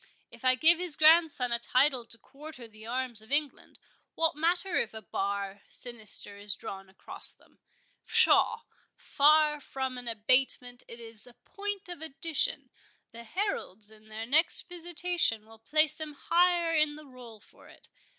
If I give his grandson a title to quarter the arms of England, what matter if a bar sinister is drawn across them?—Pshaw! far from an abatement, it is a point of addition—the heralds in their next visitation will place him higher in the roll for it.